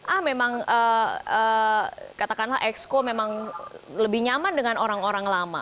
ah memang katakanlah exco memang lebih nyaman dengan orang orang lama